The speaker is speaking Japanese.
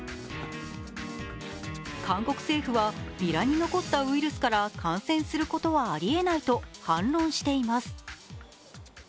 韓国政府は、ビラに残ったウイルスから感染することはありえないと反論しています。